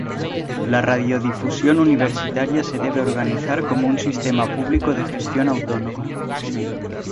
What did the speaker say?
La radiodifusión universitaria se debe organizar como un sistema público de gestión autónoma.